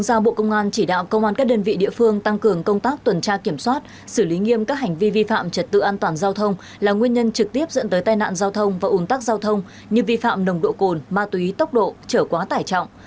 bộ giao bộ công an chỉ đạo công an các đơn vị địa phương tăng cường công tác tuần tra kiểm soát xử lý nghiêm các hành vi vi phạm trật tự an toàn giao thông là nguyên nhân trực tiếp dẫn tới tai nạn giao thông và ủn tắc giao thông như vi phạm nồng độ cồn ma túy tốc độ trở quá tải trọng